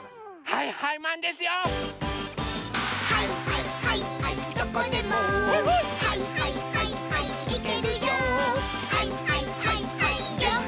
「はいはいはいはいマン」